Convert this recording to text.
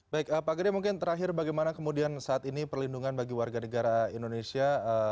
baik pak gede mungkin terakhir bagaimana kemudian saat ini perlindungan bagi warga negara indonesia